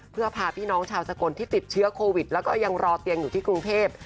เพื่อพาพี่น้องชาวสกลที่ติดเชื้อโควิดแล้วก็ยังรอเตียงอยู่ที่กรุงเทพ